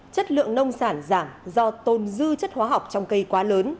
chất lượng nông sản giảm do tôn dư chất hóa học trong cây quá lớn